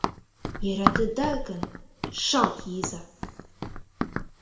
Йӧратеда гын, шалт йӱза!